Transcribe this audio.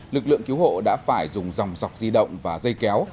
lực lượng cứu hộ đã phải dùng dòng dọc di động và dây kéo